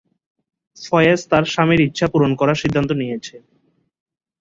ফয়েজ তার স্বামীর ইচ্ছা পূরণ করার সিদ্ধান্ত নিয়েছে।